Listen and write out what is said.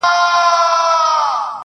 زنګ وهلی د خوشال د توري شرنګ یم.